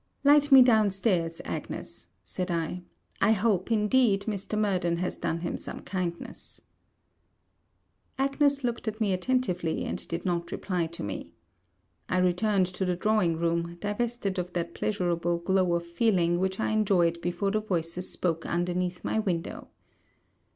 'Light me down stairs, Agnes,' said I. 'I hope, indeed, Mr. Murden has done him some kindness.' Agnes looked at me attentively, and did not reply to me. I returned to the drawing room, divested of that pleasurable glow of feeling which I enjoyed before the voices spoke underneath my window.